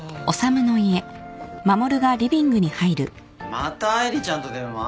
また愛梨ちゃんと電話？